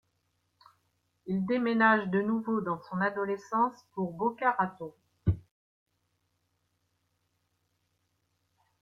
Il déménage de nouveau dans son adolescence pour Boca Raton.